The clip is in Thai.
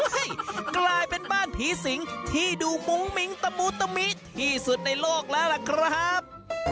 กลายเป็นบ้านผีสิงที่ดูมุ้งมิ้งตะมุตะมิที่สุดในโลกแล้วล่ะครับ